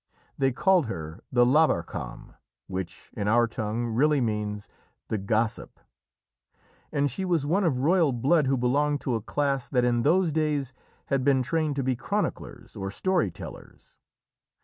They called her the Lavarcam, which, in our tongue, really means the Gossip, and she was one of royal blood who belonged to a class that in those days had been trained to be chroniclers, or story tellers.